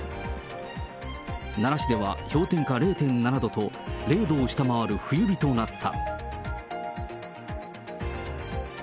奈良市では氷点下０．７度と、０度を下回る冬日となった。